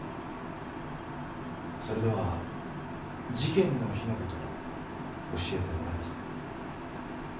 それでは事件の日の事を教えてもらえますか？